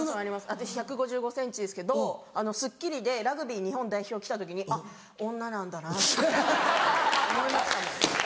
私１５５ｃｍですけど『スッキリ』でラグビー日本代表来た時に「あっ女なんだな」って思いましたもん。